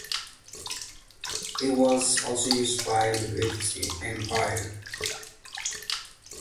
It was also used by the British Empire.